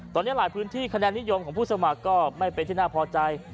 ตอนนี้หลายพื้นที่คะแนนนิยมของผู้สมัครก็ไม่เป็นที่น่าพอใจ